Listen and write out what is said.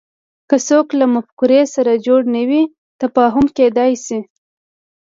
که څوک له مفکورې سره جوړ نه وي تفاهم کېدای شي